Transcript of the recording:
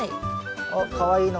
あっかわいいのが。